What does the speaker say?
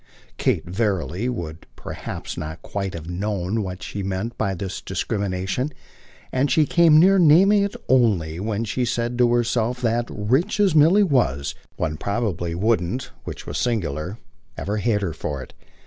Kate, verily, would perhaps not quite have known what she meant by this discrimination, and she came near naming it only when she said to herself that, rich as Milly was, one probably wouldn't which was singular ever hate her for it.